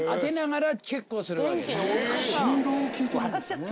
振動を聞いてるんですね。